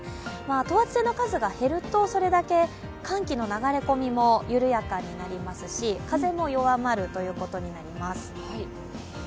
等圧線の数が減るとそれだけ寒気の流れ込みも緩やかになりますし風も弱まることになります。